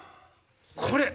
これ！